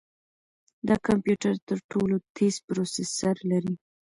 دا کمپیوټر تر ټولو تېز پروسیسر لري.